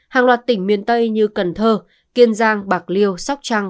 hàng loạt tỉnh miền tây như cần thơ kiên giang bạc liêu sóc trăng